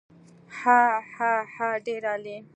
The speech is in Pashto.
هاهاها ډېر عالي.